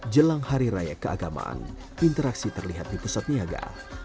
jelang hari raya keagamaan interaksi terlihat di pusat niaga